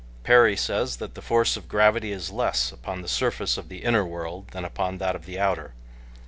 Perry says that the force of gravity is less upon the surface of the inner world than upon that of the outer.